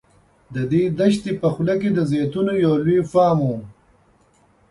د دې دښتې په خوله کې د زیتونو یو لوی فارم و.